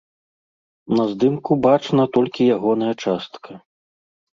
На здымку бачна толькі ягоная частка.